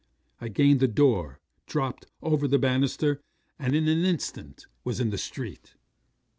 I gained the door, dropped over the banisters, and in an instant was in the street.